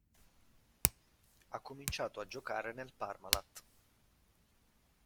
Ha cominciato a giocare nel Parmalat.